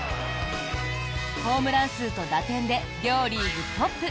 ホームラン数と打点で両リーグトップ。